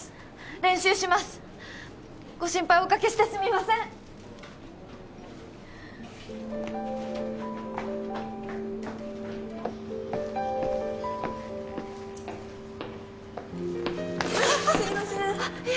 練習しますご心配おかけしてすみませんあっすいませんいえ